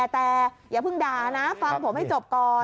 แต่อย่าเพิ่งด่านะฟังผมให้จบก่อน